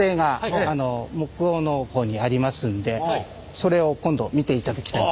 それを今度見ていただきたいと。